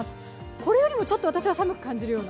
これよりも私はちょっと寒く感じるような。